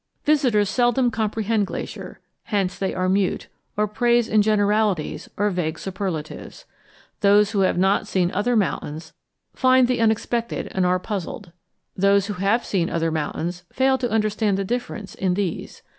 Visitors seldom comprehend Glacier; hence they are mute, or praise in generalities or vague superlatives. Those who have not seen other mountains find the unexpected and are puzzled. Those who have seen other mountains fail to understand the difference in these.